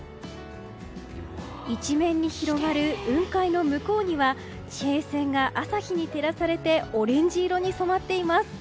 一面に広がる雲海の向こうには地平線が朝日に照らされてオレンジ色に染まっています。